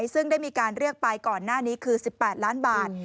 ซึ่งได้มีการเรียกไปก่อนหน้านี้คือ๑๘ล้านบาท